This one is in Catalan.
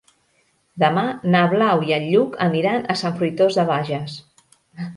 Demà na Blau i en Lluc aniran a Sant Fruitós de Bages.